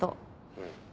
うん。